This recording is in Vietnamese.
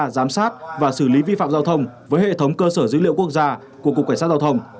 giám sát và xử lý vi phạm giao thông với hệ thống cơ sở dữ liệu quốc gia của cục cảnh sát giao thông